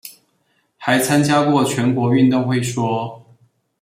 還參加過全國運動會說